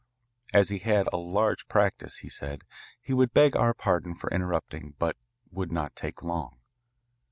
As he had a large practice, he said, he would beg our pardon for interrupting but would not take long.